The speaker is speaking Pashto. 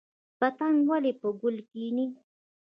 پتنګ ولې په ګل کیني؟